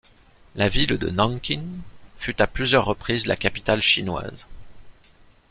La ville de Nankin fut à plusieurs reprises la capitale chinoise.